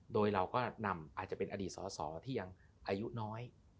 โดยเราก็นำอาจจะเป็นอดีตสอสอที่ยังอายุน้อย